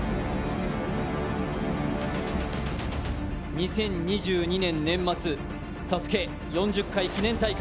２０２２年年末、ＳＡＳＵＫＥ４０回記念大会。